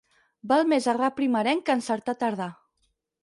Val més errar primerenc que encertar tardà.